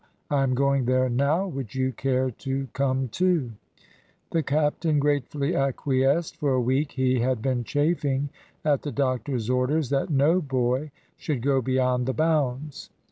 I am going there now. Would you care to come too?" The captain gratefully acquiesced. For a week he had been chafing at the doctor's orders that no boy should go beyond the bounds.